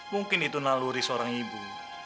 mungkin itu naluri seorang ibu